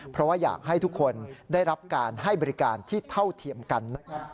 เพราะว่าอยากให้ทุกคนได้รับการให้บริการที่เท่าเทียมกัน